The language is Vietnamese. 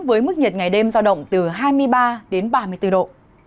với mức nhiệt ngày đêm giao động từ hai mươi ba đến ba mươi bốn độ